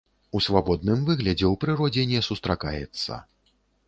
У свабодным выглядзе ў прыродзе не сустракаецца.